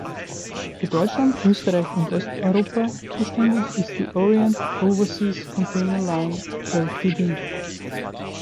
Für Deutschland, Österreich und Osteuropa zuständig ist die Orient Overseas Container Line Ltd.